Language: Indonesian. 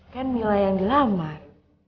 kan mila yang dilamar